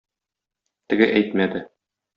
Теге әйтмәде.